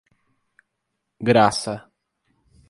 Graça